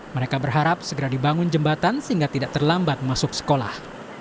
mereka berharap segera dibangun jembatan sehingga tidak terlambat masuk sekolah